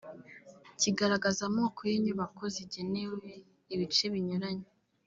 kigaragaza amoko y’inyubako zigenewe ibice binyuranye